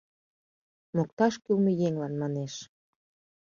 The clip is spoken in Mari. Мокташ кӱлмӧ еҥлан манеш: